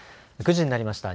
９時になりました。